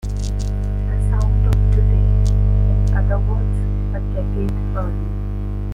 The sound of today, in other words, a decade early.